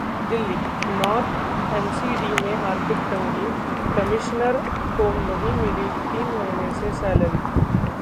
Delhi: north MCD में आर्थिक तंगी, कमिश्नर को नहीं मिली तीन महीने से सैलरी